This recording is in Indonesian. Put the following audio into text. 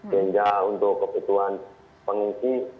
sehingga untuk kebutuhan pengungsi